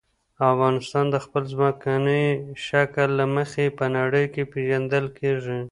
افغانستان د خپل ځمکني شکل له مخې په نړۍ کې پېژندل کېږي.